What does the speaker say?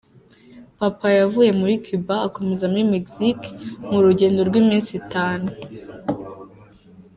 Papa yavuye muri Cuba akomeza muri Mexique mu rugendo rw’iminsi itanu.